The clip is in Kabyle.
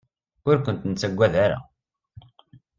Ur kent-nettaggad ara.